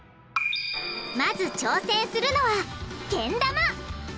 まず挑戦するのはけん玉！